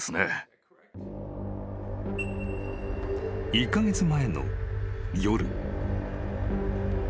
［１カ月前の夜］